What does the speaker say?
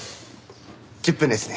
１０分ですね。